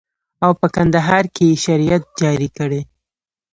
او په کندهار کښې يې شريعت جاري کړى.